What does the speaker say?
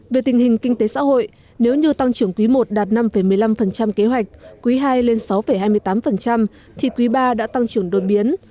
về tình hình kinh tế xã hội nếu như tăng trưởng quý i đạt năm một mươi năm kế hoạch quý ii lên sáu hai mươi tám thì quý ba đã tăng trưởng đột biến